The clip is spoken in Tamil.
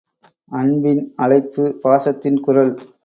அன்பின் அழைப்பு – பாசத்தின் குரல்.